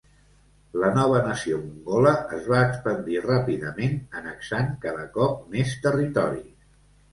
La nova nació mongola es va expandir ràpidament annexant cada cop més territoris.